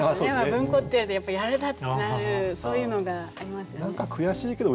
「文庫」っていわれたらやっぱ「やられた！」ってなるそういうのがありますよね。